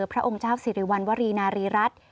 พระองค์เจ้าสิริวัณวรีนารีรัฐ